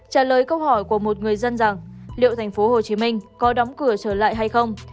trả lời câu hỏi của một người dân rằng liệu tp hcm có đóng cửa trở lại hay không